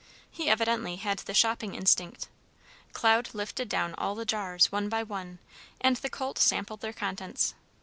He evidently had the shopping instinct. Cloud lifted down all the jars, one by one, and the colt sampled their contents.